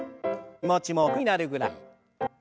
気持ちも楽になるぐらい。